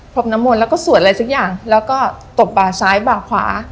บน้ำมนต์แล้วก็สวดอะไรสักอย่างแล้วก็ตบบ่าซ้ายบ่าขวา